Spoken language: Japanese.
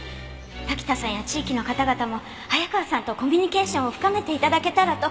滝田さんや地域の方々も早川さんとコミュニケーションを深めて頂けたらと。